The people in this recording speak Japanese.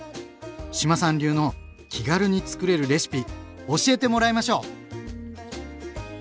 志麻さん流の気軽につくれるレシピ教えてもらいましょう！